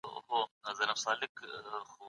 خلک د بې ثباته سياسي وضعيت پلوي نه کوي.